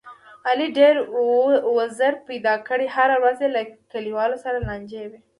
علي ډېر وزر پیدا کړي، هره ورځ یې له کلیوالو سره لانجه وي.